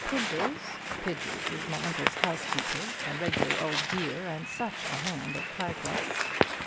Pidgers Pidgers is my uncle's housekeeper; a regular old dear, and such a hand at pie crusts!